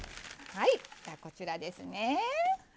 はいこちらですね。